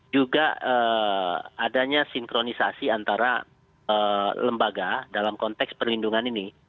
juga adanya sinkronisasi antara lembaga dalam konteks perlindungan ini